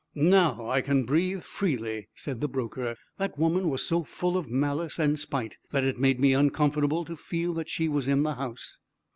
"Now I can breathe freely," said the broker. "That woman was so full of malice and spite that it made me uncomfortable to feel that she was in the house."